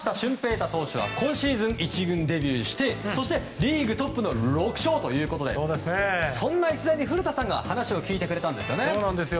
大投手は今シーズン１軍デビューしてそして、リーグトップの６勝ということでそんな逸材に古田さんが話を聞いてくれたんですよね。